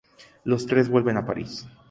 Los tres vuelven a París.